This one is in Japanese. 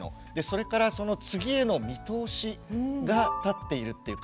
それからその次への見通しが立っているっていうか